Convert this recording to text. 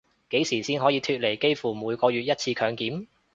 幾時先可以脫離幾乎每個月一次強檢